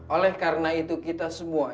oleh karena itu kita semua